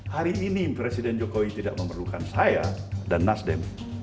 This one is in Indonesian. hari ini presiden jokowi tidak memerlukan saya dan nasdem